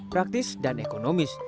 praktis dan ekonomis